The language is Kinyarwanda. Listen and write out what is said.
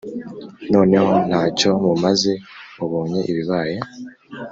Noneho nta cyo mumaze Mubonye ibibaye